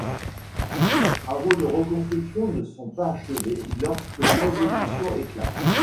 Les travaux de reconstruction ne sont pas achevés lorsque la Révolution éclate...